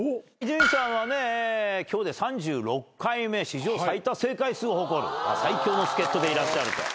伊集院さんはね今日で３６回目史上最多正解数を誇る最強の助っ人でいらっしゃる。